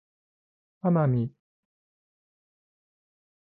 奄美